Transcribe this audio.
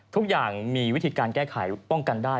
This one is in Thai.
ทุกอย่างมีวิธีการแก้ไขป้องกันได้